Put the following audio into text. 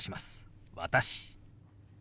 「私」。